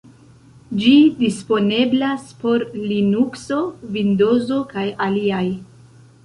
Ĝi disponeblas por Linukso, Vindozo kaj aliaj.